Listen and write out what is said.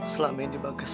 selama ini pak bagas